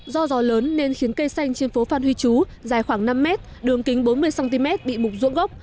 do gió lớn nên khiến cây xanh trên phố phan huy chú dài khoảng năm mét đường kính bốn mươi cm bị mục ruộng gốc